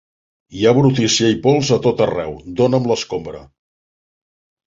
Hi ha brutícia i pols a tot arreu, dona'm l'escombra!